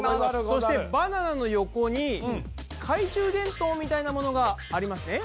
そしてバナナの横に懐中電灯みたいなものがありますね？